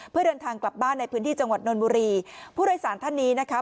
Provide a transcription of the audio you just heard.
เพื่อเดินทางกลับบ้านในพื้นที่จังหวัดนนบุรีผู้โดยสารท่านนี้นะคะ